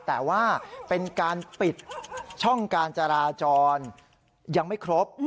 แต่ว่าเป็นการปิดช่องการจราจรยังไม่ครบ